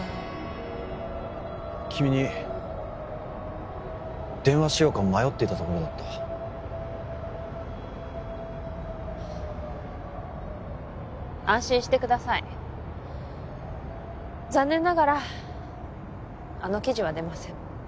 君に電話しようか迷っていたところだった安心してください残念ながらあの記事は出ません